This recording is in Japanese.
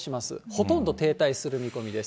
ほとんど停滞する見込みです。